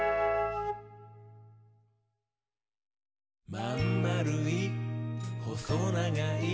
「まんまるい？ほそながい？」